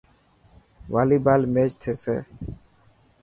والي بال ميچ ٿيسي.